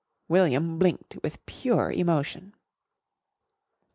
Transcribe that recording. William blinked with pure emotion.